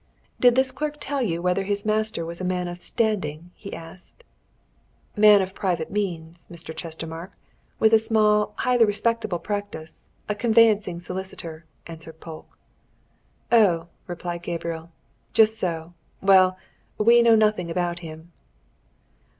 "Did this clerk tell you whether his master was a man of standing?" he asked. "Man of private means, Mr. Chestermarke, with a small, highly respectable practice a conveyancing solicitor," answered Polke. "Oh!" replied Gabriel. "Just so. Well we know nothing about him."